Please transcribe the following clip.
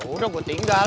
udah gue tinggal